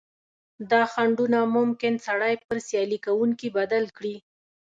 دا خنډونه ممکن سړی پر سیالي کوونکي بدل کړي.